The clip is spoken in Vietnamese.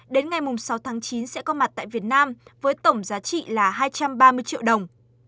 đến ngày sáu tháng chín sẽ có mặt tại việt nam với tổng giá trị là hai trăm ba mươi triệu đồng